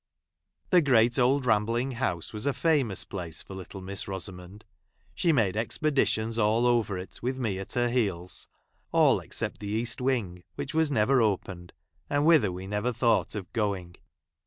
The great, old il rambling liouse, was a famous place for little 1 j Miss Rosamond. She made expeditions all over it, with me at her heels ; all, except the east wing, which was never opened, aud Avhither we never thought of going.